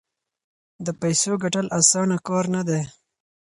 د پیسو ګټل اسانه کار نه دی.